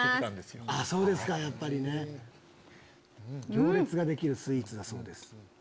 行列ができるスイーツだそうです。